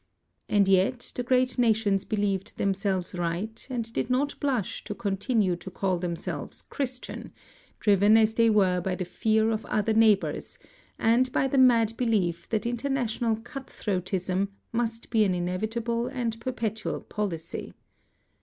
And yet the great nations believed themselves right and did not blush to continue to call themselves Christian, driven as they were by the fear of other neighbors and by the mad belief that international cut throatism must be an inevitable and perpetual policy.